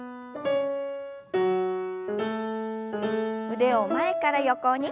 腕を前から横に。